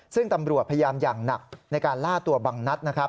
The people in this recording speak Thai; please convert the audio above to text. ซึ่งตำรวจพยายามอย่างหนักในการล่าตัวบังนัดนะครับ